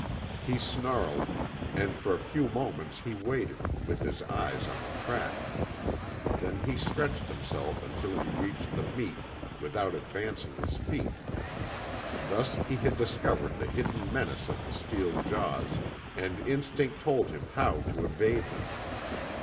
He snarled, and for a few moments he waited, with his eyes on the trap. Then he stretched himself until he reached the meat, without advancing his feet. Thus he had discovered the hidden menace of the steel jaws, and instinct told him how to evade them.